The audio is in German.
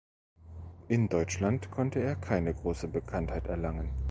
In Deutschland konnte er keine große Bekanntheit erlangen.